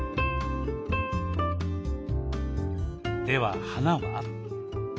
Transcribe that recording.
では花は？